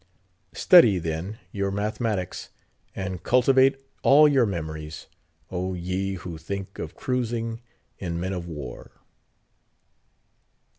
Study, then, your mathematics, and cultivate all your memories, oh ye! who think of cruising in men of war.